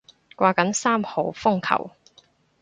掛緊三號風球